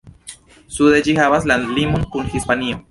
Sude ĝi havas landlimon kun Hispanio.